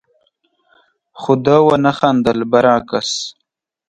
خو ده ونه خندل، برعکس،